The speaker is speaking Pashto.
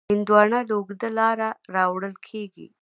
هندوانه له اوږده لاره راوړل کېږي.